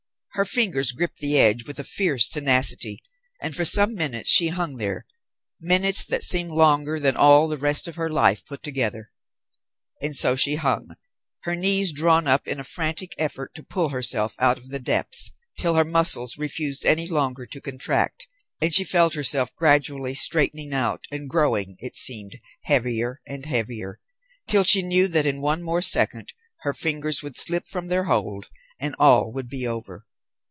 Her fingers gripped the edge with a fierce tenacity, and for some minutes she hung there, minutes that seemed longer than all the rest of her life put together. And so she hung, her knees drawn up in a frantic effort to pull herself out of the depths, till her muscles refused any longer to contract, and she felt herself gradually straightening out and growing, it seemed, heavier and heavier, till she knew that in one more second her fingers would slip from their hold, and all would be over.